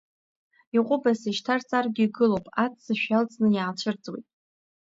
Иҟәыбаса ишьҭарҵаргьы игылоуп, аццышә иалҵны иаацәырҵуеит.